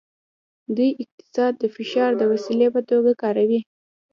دوی اقتصاد د فشار د وسیلې په توګه کاروي